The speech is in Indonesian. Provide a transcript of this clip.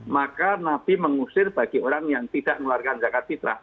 maka nabi mengusir bagi orang yang tidak mengeluarkan zakat fitrah